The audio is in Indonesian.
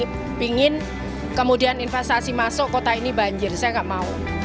saya ingin kemudian investasi masuk kota ini banjir saya nggak mau